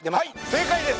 正解です。